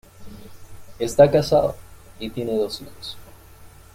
Está casado, y tiene dos hijos.